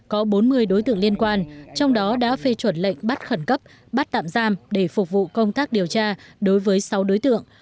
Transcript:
có bốn mươi đối tượng liên quan trong đó đã phê chuẩn lệnh bắt khẩn cấp bắt tạm giam để phục vụ công tác điều tra đối với sáu đối tượng